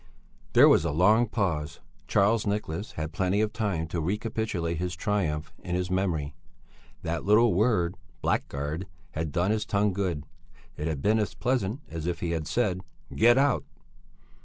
There was a long pause. Charles Nicholas had plenty of time to recapitulate his triumph in his memory. That little word "blackguard" had done his tongue good. It had been as pleasant as if he had said "Get out!"